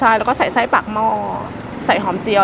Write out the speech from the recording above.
ใช่แล้วก็ใส่ไส้ปากหม้อใส่หอมเจียว